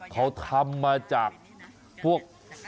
เขาทำมาจากพวก